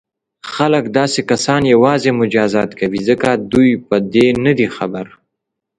خلک داسې کسان یوازې مجازات کوي ځکه دوی په دې نه دي خبر.